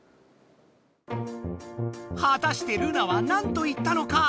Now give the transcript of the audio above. はたしてルナはなんと言ったのか